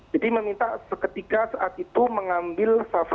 jadi meminta seketika saat itu mengangkat